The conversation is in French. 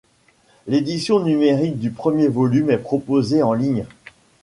L'édition numérique du premier volume est proposée en ligne.